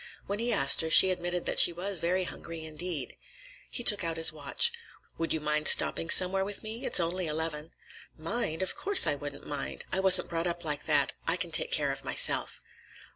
When he asked her, she admitted that she was very hungry, indeed. He took out his watch. "Would you mind stopping somewhere with me? It's only eleven." "Mind? Of course, I wouldn't mind. I wasn't brought up like that. I can take care of myself."